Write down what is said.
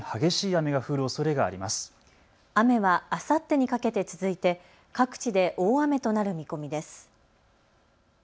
雨はあさってにかけて続いて各地で大雨となる見込みです。